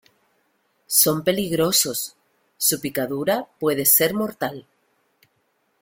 son peligrosos. su picadura puede ser mortal .